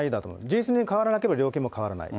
事実認定変わらなければ、量刑も変わらない。